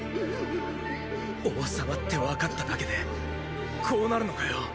王様って分かっただけでこうなるのかよ。